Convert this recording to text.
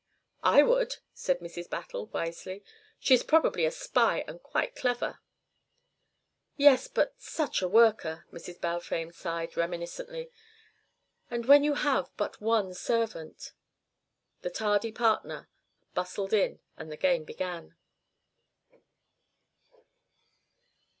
"I would," said Mrs. Battle, wisely. "She is probably a spy and quite clever." "Yes, but such a worker!" Mrs. Balfame sighed reminiscently. "And when you have but one servant " The tardy partner bustled in and the game began.